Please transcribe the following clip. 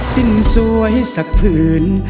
สิ้นสวยสักผืน